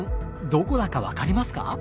どこだか分かりますか？